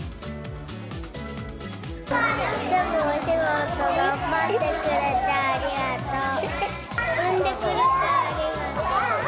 いつもお仕事、頑張ってくれ産んでくれてありがとう。